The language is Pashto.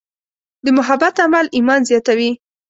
د محبت عمل ایمان زیاتوي.